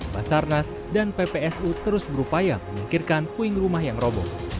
basarnas dan ppsu terus berupaya menyingkirkan puing rumah yang robo